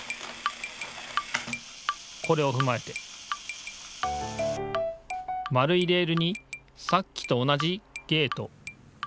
これをふまえて円いレールにさっきと同じゲート。